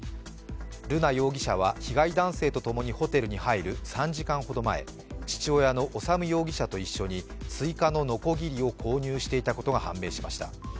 瑠奈容疑者は被害男性と共にホテルに入る３時間ほど前、父親の修容疑者と一緒に追加ののこぎりを購入していたことが判明しました。